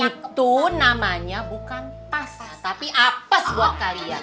itu namanya bukan pas tapi apes buat kalian